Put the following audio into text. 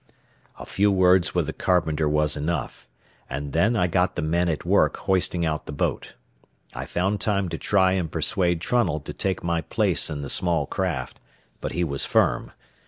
A few words with the carpenter was enough, and then I got the men at work hoisting out the boat. I found time to try and persuade Trunnell to take my place in the small craft, but he was firm.